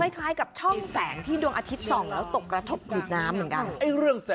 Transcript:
คล้ายกับช่องแสงที่ดวงอาทิตย์ส่องแล้วตกกระทบกีดน้ำเหมือนกัน